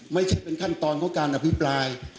ไม่ใช่เป็นขั้นตอนของการอภิปราย